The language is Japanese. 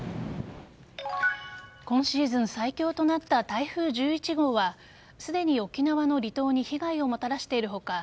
今シーズン最強となった台風１１号はすでに沖縄の離島に被害をもたらしている他